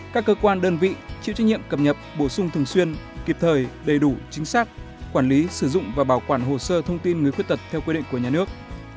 một các cơ quan đơn vị chịu trách nhiệm cập nhập bổ sung thường xuyên kịp thời đầy đủ chính xác quản lý sử dụng và bảo quản hồ sơ thông tin người khuyết tật theo quy định của nhà nước